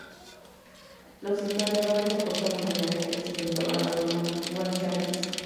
Los historiadores aportan la manera en que sembraban los guanches.